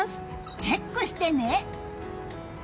チェックしてね！